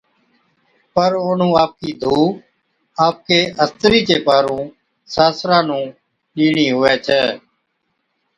پر اونھُون آپَڪِي ڌُو آپَڪِي استرِي چي پارُون ساسران نُون ڏيڻِي ھُوي ڇَي،